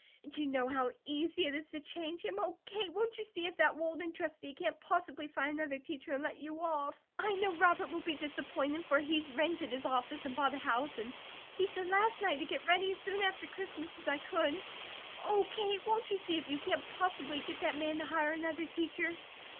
And you know how easy it is to change him. Oh, Kate, won't you see if that Walden trustee can't possibly find another teacher, and let you off? I know Robert will be disappointed, for he's rented his office and bought a house and he said last night to get ready as soon after Christmas as I could. Oh, Kate, won't you see if you can't possibly get that man to hire another teacher?"